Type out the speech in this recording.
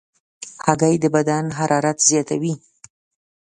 هګۍ د بدن حرارت زیاتوي.